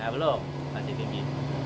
belum masih tinggi